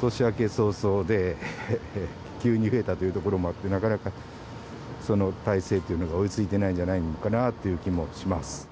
年明け早々で、急に増えたというところもあって、なかなかその体制というのが追いついてないんじゃないかのかなという気もします。